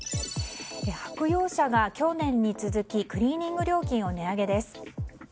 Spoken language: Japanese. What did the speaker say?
白洋舎が去年に続きクリーニング料金を値上げです。